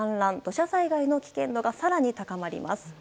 土砂災害の危険度が更に高まります。